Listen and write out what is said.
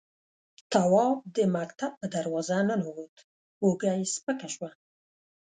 تواب د مکتب په دروازه ننوت، اوږه يې سپکه شوه.